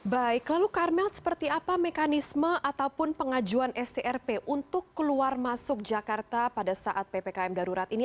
baik lalu karmel seperti apa mekanisme ataupun pengajuan strp untuk keluar masuk jakarta pada saat ppkm darurat ini